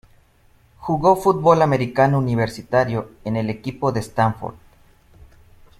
Jugó fútbol americano universitario en el equipo de Stanford.